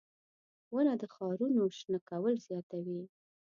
• ونه د ښارونو شنه کول زیاتوي.